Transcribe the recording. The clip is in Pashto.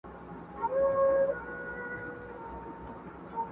راغی پر نړۍ توپان ګوره چي لا څه کیږي.!